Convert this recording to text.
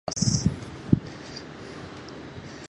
赤巻紙、青巻紙、黄巻紙を混ぜ合わせて巻きます